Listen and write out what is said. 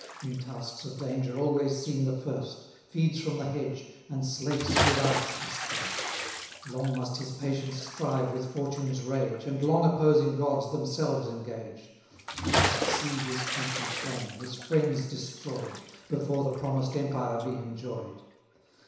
In tasks of danger always seen the first, Feeds from the hedge, and slakes with ice his thirst, 1110 Long must his patience strive with fortune's rage, And long opposing gods themselves engage; Must see his country flame, his friends destroy'd, Before the promised empire be enjoy'd.